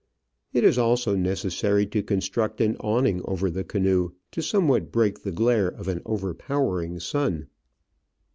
It is also necessary to construct an awning over the canoe, to somewhat break the glare of an overpowering sun.